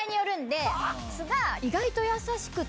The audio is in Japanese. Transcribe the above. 意外と優しくて。